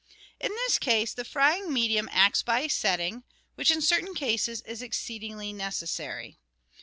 In this case the frying medium acts by setting, which in certain cases is exceedingly necessary.